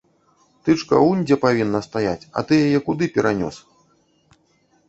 Тычка унь дзе павінна стаяць, а ты яе куды перанёс?!